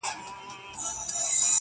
شپه پخه سي چي ویدېږم غزل راسي!.